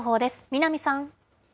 南さん。